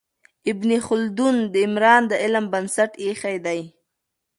ابن خلدون د عمران د علم بنسټ ایښی دی.